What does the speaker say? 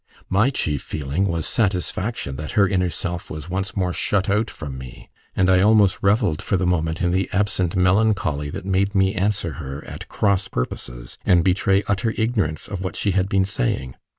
My chief feeling was satisfaction that her inner self was once more shut out from me; and I almost revelled for the moment in the absent melancholy that made me answer her at cross purposes, and betray utter ignorance of what she had been saying.